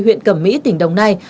huyện cẩm mỹ tỉnh đồng nai